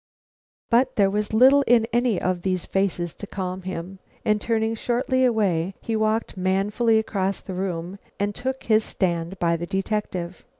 But there was little in any of these faces to calm him, and turning shortly away, he walked manfully across the room and took his stand by the detective.